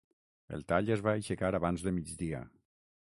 El tall es va aixecar abans de migdia.